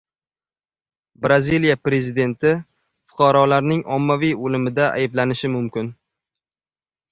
Braziliya prezidenti fuqarolarning ommaviy o‘limida ayblanishi mumkin